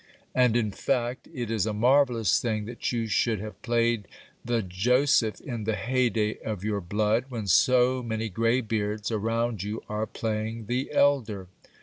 And, in fact, it is a marvellous thing that you should have played the Joseph in the heyday of your blood, when so many greybeards around you are playing the Elder.